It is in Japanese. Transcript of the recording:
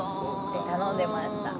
頼んでました。